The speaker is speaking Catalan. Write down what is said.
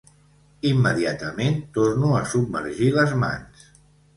Immediatament torno a submergir les mans.